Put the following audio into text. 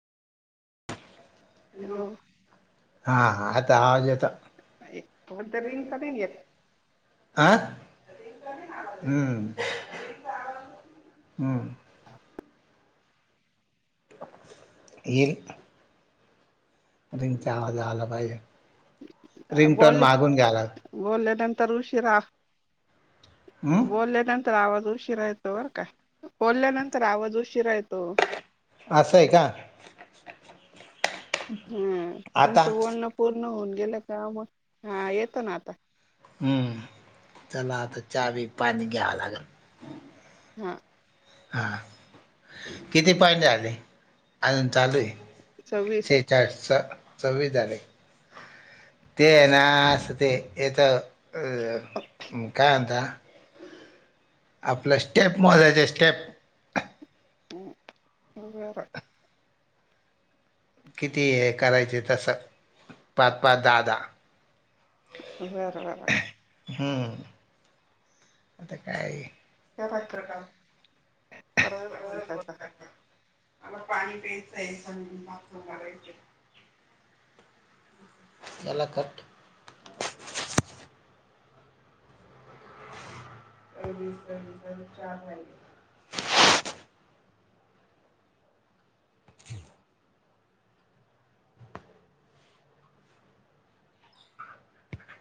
Hello हा आता आवाज येत. कोणत रिंग नवीन तर नाही पद्य. ''आं'' हं ''हं '' येल. रिंगचा आवाज आला पाहिजे. अ रिंगटोन बोलले मागून घ्यायला बोलल्या नंतर उशीरा. हम्म. बोलल्यानंतर आवाज उशीरा येतो बरं का बोलल्यानंतर आवाज उशीरा येतो. अस आहे का. हम आता तुमचं बोलणं पूर्ण होऊन गेलं का मग हा येतं ना आता. हम्म चला आता चहा बी पाणी घ्यां लागल. हा. हां किती पाठ झाले अजून चालू आहे. सव्वीस. चार सव्वीस झाले ते येना अस ते इथ आ काय म्हणता? आपल्या स्टेप मजायचे स्टेप वर [unintelligible] किती हे करायचे तस पाच, पाच, दहा, दहा. बरं बर हम्म. आता काय. करा करा परत बोलता येतं मला पाणी प्यायचं आहे सप करायचं. यालाखट. अदीसस अ चार राहिले. हम् [unintelligible]